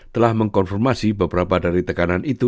telah mengkonfirmasi beberapa dari tekanan itu